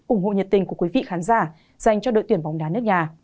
ủng hộ nhiệt tình của quý vị khán giả dành cho đội tuyển bóng đá nước nhà